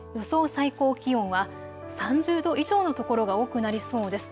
最高気温は３０度以上の所が多くなりそうです。